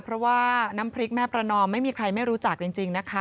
เพราะว่าน้ำพริกแม่ประนอมไม่มีใครไม่รู้จักจริงนะคะ